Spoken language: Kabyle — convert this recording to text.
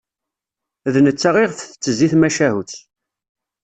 D netta i ɣef tettezzi tmacahut.